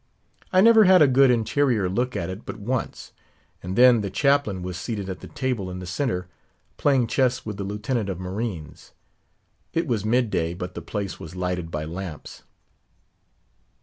I never had a good interior look at it but once; and then the Chaplain was seated at the table in the centre, playing chess with the Lieutenant of Marines. It was mid day, but the place was lighted by lamps.